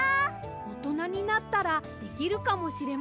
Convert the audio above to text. おとなになったらできるかもしれませんね！